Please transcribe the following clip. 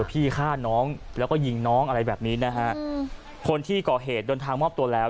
พี่ฆ่าน้องแล้วก็ยิงน้องอะไรแบบนี้นะฮะคนที่ก่อเหตุเดินทางมอบตัวแล้ว